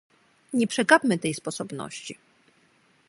Nie przegapmy tej sposobności